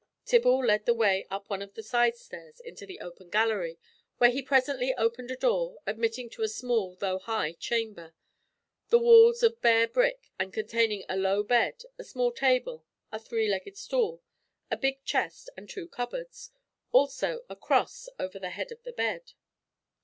Tibble led the way up one of the side stairs into the open gallery, where he presently opened a door, admitting to a small, though high chamber, the walls of bare brick, and containing a low bed, a small table, a three legged stool, a big chest, and two cupboards, also a cross over the head of the bed.